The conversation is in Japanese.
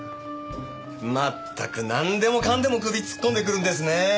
まったくなんでもかんでも首突っ込んでくるんですね。